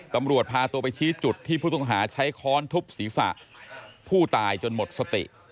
ตำรวจพาตัวไปชี้จุดที่ผู้ต้องหาใช้ค้อนทุบศีรษะผู้ตายจนหมดสติ